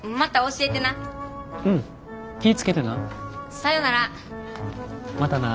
さよなら。